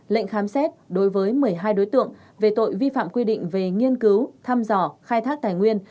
lệnh khám xét đối với một mươi hai đối tượng về tội vi phạm quy định về nghiên cứu thăm dò khai thác tài nguyên